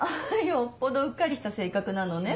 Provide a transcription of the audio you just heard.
よっぽどうっかりした性格なのね